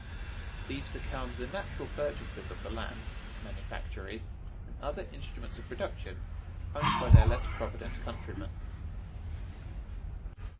These become the natural purchasers of the lands, manufactories, and other instruments of production owned by their less provident countrymen.